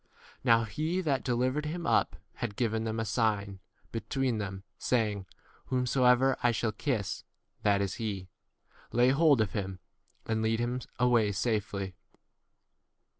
Now he that delivered him up had given them a sign between them, saying, Whomsoever I shall kiss, that is he ; lay hold of him, and 45 lead him away safely.